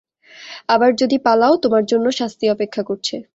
আবার যদি পালাও, তোমার জন্য শাস্তি অপেক্ষা করছে।